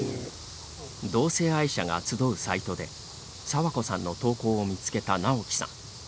同性愛者が集うサイトで佐和子さんの投稿を見つけた直樹さん。